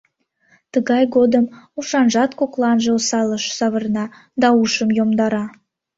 Тыгай годым ушанжат кокланже осалыш савырна да ушым йомдара.